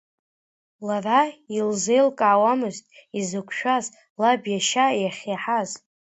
Лара илзеилкаауамызт изықәшәаз лаб иашьа иахьиаҳаз.